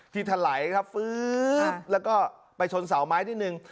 ถลายครับแล้วก็ไปชนเสาไม้นิดนึง